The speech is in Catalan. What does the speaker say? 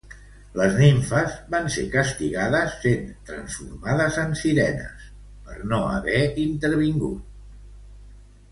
Les nimfes van ser castigades sent transformades en sirenes per no haver intervingut.